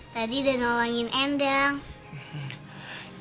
tadi udah nolongin endel